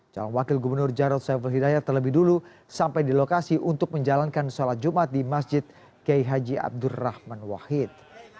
calon wakil gubernur jarod saiful hidayat terlebih dulu sampai di lokasi untuk menjalankan sholat jumat di masjid kiai haji abdurrahman wahid